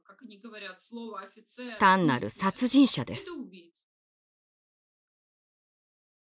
単なる殺人者です。